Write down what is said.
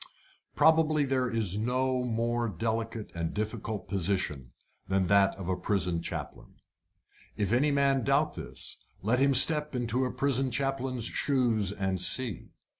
Probably there is no more delicate and difficult position than that of a prison chaplain. If any man doubt this, let him step into a prison chaplain's shoes and see.